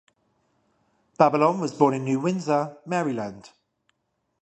Babylon was born in New Windsor, Maryland.